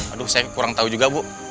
aduh saya kurang tahu juga bu